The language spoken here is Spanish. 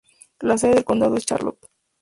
La sede del condado es Charlotte.